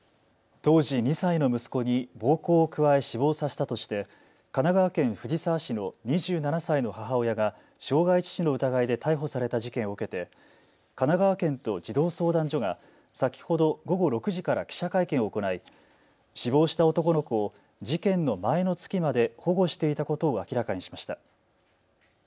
当時２歳の息子に暴行を加え死亡させたとして神奈川県藤沢市の２７歳の母親が傷害致死の疑いで逮捕された事件を受けて神奈川県と児童相談所が先ほど午後６時から記者会見を行い死亡した男の子を事件の前の月まで保護していたことを明らかにしました。